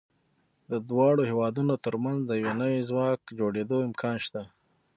د دواړو هېوادونو تر منځ د یو نوي ځواک جوړېدو امکان شته.